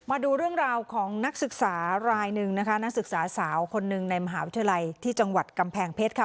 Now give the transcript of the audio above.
มาดูเรื่องราวของนักศึกษารายหนึ่งนะคะนักศึกษาสาวคนหนึ่งในมหาวิทยาลัยที่จังหวัดกำแพงเพชรค่ะ